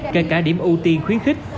kể cả điểm ưu tiên khuyến khích